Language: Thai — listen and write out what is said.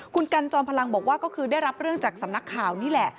คุณกันจอมพลังบอกว่าก็คือได้รับเรื่องจากสำนักข่าวนี่แหละ